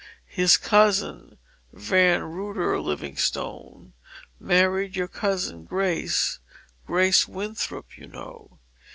His cousin, Van Ruy ter Livingstone, married your cousin Grace Grace Winthrop, you know.